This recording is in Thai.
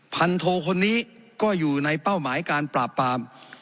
โทคนนี้ก็อยู่ในเป้าหมายการปราบปราม